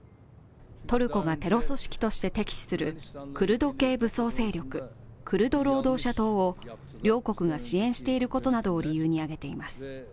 トルコがテロ組織として敵視するクルド系武装勢力、クルド労働者党を両国が支援していることなどを理由に挙げています。